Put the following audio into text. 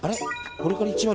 これから１割。